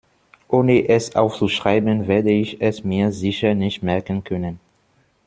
Ohne es aufzuschreiben, werde ich es mir sicher nicht merken können.